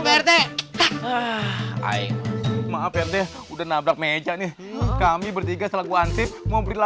berdek maaf ya udah nabrak meja nih kami bertiga selaku ansip mobil